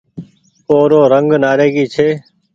او رو رنگ نآريگي ڇي۔